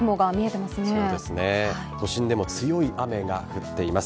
都心でも強い雨が降っています。